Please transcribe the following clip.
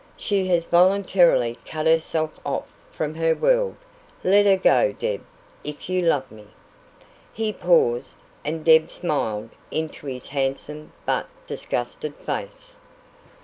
She has voluntarily cut herself off from her world. Let her go. Deb, if you love me " He paused, and Deb smiled into his handsome but disgusted face.